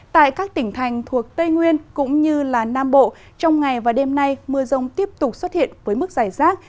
tại các tỉnh thành thuộc tây nguyên cũng như nam bộ trong ngày và đêm nay mưa rông tiếp tục xuất hiện với mức giải rác